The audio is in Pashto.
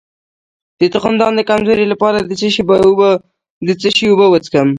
د تخمدان د کمزوری لپاره د څه شي اوبه وڅښم؟